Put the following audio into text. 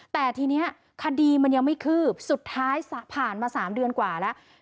แต่ทีนี้คดีมันยังไม่คืบสุดท้ายผ่านมา๓เดือนกว่าแล้ว